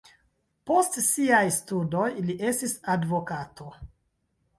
Post siaj studoj li estis advokato.